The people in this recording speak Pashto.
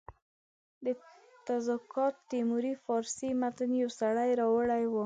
د تزوکات تیموري فارسي متن یو سړي راوړی وو.